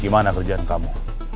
gimana kerjaan kamu